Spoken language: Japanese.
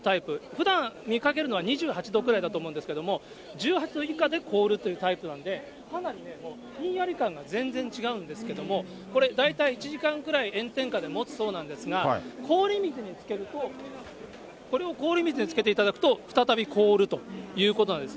ふだん見かけるのは２８度くらいだと思うんですけれども、１８度以下で凍るというタイプなんで、かなりね、ひんやり感が全然違うんですけども、これ、大体１時間くらい、炎天下でもつそうなんですけれども、氷水につけると、これを氷水につけていただくと、再び凍るということなんです。